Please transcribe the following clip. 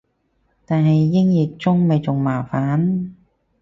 但係英譯中咪仲麻煩